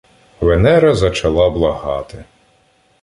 Венера зачала благати